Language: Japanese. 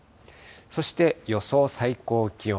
そして予想最高気温。